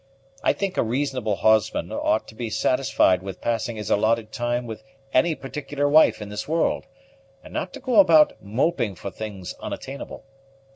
I think a reasonable husband ought to be satisfied with passing his allotted time with any particular wife in this world, and not to go about moping for things unattainable.